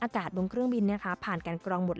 และการบริการผู้โดยสาร๑๒๗๕ราย